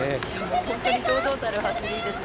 本当に堂々たる走りですね。